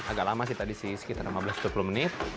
agak lama sih tadi sih sekitar lima belas dua puluh menit